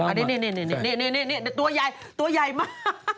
อันนี้ตัวใหญ่ตัวใหญ่มาก